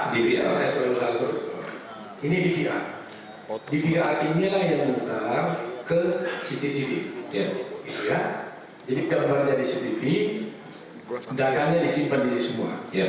dpr ini dpr dpr inilah yang mengutar ke cctv jadi kabarnya di cctv dana dana disimpan di sini semua